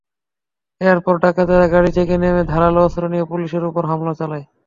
এরপর ডাকাতেরা গাড়ি থেকে নেমে ধারালো অস্ত্র নিয়ে পুলিশের ওপর হামলা চালায়।